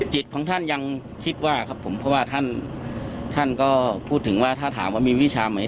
ของท่านยังคิดว่าครับผมเพราะว่าท่านท่านก็พูดถึงว่าถ้าถามว่ามีวิชาไหม